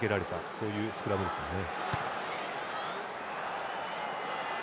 そういうスクラムですね。